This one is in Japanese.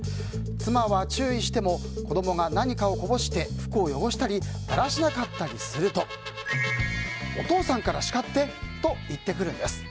妻は注意しても子供が何かをこぼして服を汚したりだらしなかったりするとお父さんから叱って！と言ってくるんです。